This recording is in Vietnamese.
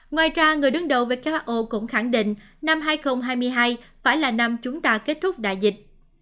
ngoài ra người đứng đầu who cũng khẳng định năm hai nghìn hai mươi hai phải là năm chúng ta kết thúc đại dịch